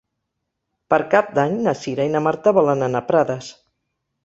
Per Cap d'Any na Cira i na Marta volen anar a Prades.